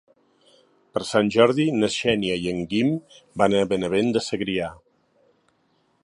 Per Sant Jordi na Xènia i en Guim van a Benavent de Segrià.